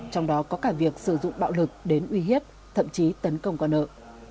trong đó có cả việc sử dụng bạo lực đến uy hiếp thậm chí tấn công con nợ